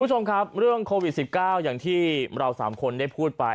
คุณผู้ชมครับเรื่องโควิด๑๙อย่างที่เรา๓คนได้พูดไป